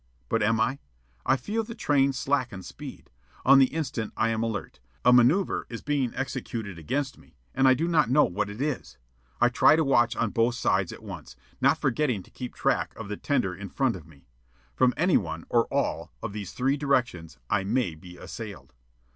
But am I? I feel the train slacken speed. On the instant I am alert. A manoeuvre is being executed against me, and I do not know what it is. I try to watch on both sides at once, not forgetting to keep track of the tender in front of me. From any one, or all, of these three directions, I may be assailed.